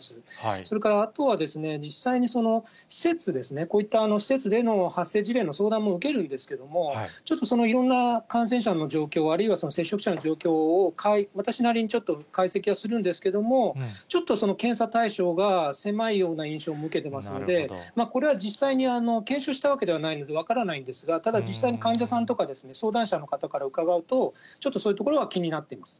それからあとはですね、実際に施設、こういった施設での発生事例の相談も受けるんですけれども、ちょっとそのいろんな感染者の状況、あるいは接触者の状況を私なりにちょっと解析をするんですけれども、ちょっと、検査対象が狭いような印象も受けてますので、これは実際に検証したわけではないので分からないんですが、ただ、実際の患者さんとか相談者の方から伺うと、ちょっとそういうところは気になっています。